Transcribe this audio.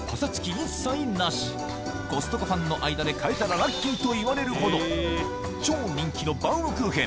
一切なしコストコファンの間でといわれるほど超人気のバウムクーヘン